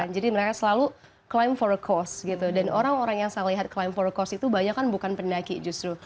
jadi mereka selalu climb for a cause gitu dan orang orang yang saya lihat climb for a cause itu banyak kan bukan pendaki justru